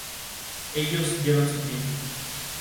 Variante de este mismo juego.